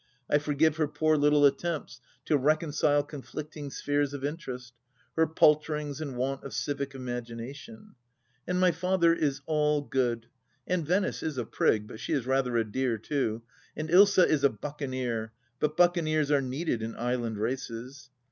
I forgive her poor little attempts to reconcile conflicting spheres of interest — her palterings, and want of civic imagination. ... And my father is all good. ... And Venice is a prig — but she is rather a dear, too. ... And Ilsa is a buccaneer ; but buccaneers are needed in Island races.